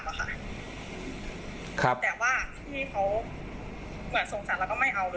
แต่ว่าพี่เขาเหมือนสงสารแล้วก็ไม่เอาเลย